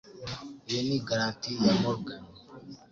Iyo ni Garanti ya Morgan